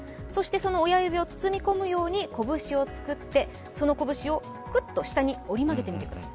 その親指を包み込むように拳をつくってその拳をくっと下に折り曲げてみてください。